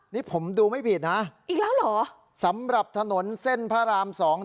นี่ผมดูไม่ผิดนะอีกแล้วเหรอสำหรับถนนเส้นพระราม๒